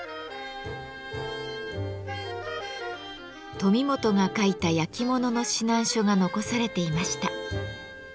富本が書いた焼き物の指南書が残されていました。